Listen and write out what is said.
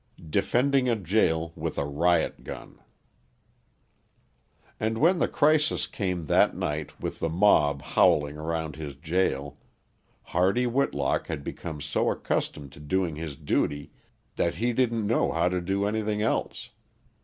Defending a Jail With a Riot gun And when the crisis came that night with the mob howling around his jail, Hardy Whitlock had become so accustomed to doing his duty that he didn't know how to do anything else.